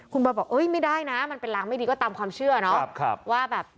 คุณบอยบอกไม่ได้นะมันเป็นรางไม่ดีก็ตามความเชื่อเนอะ